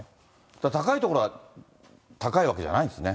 高い所は高いわけじゃないんですね。